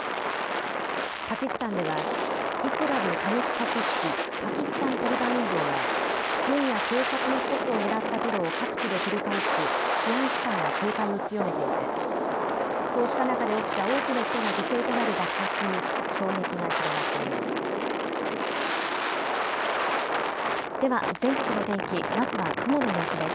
パキスタンではイスラム過激派組織、パキスタン・タリバン運動が軍や警察の施設を狙ったテロを各地で繰り返し治安機関が警戒を強めていて、こうした中で起きた多くの人が犠牲となる爆発に衝撃が広がっています。